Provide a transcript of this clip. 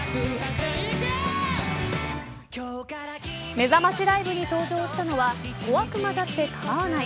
めざましライブに登場したのは小悪魔だってかまわない！